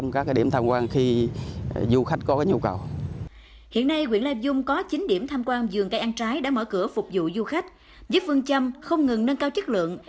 giết vương chăm không ngừng nâng cao chất lượng